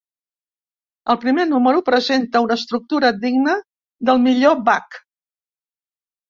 El primer número presenta una estructura digna del millor Bach.